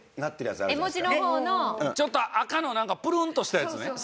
ちょっと赤のなんかプルンとしたやつね。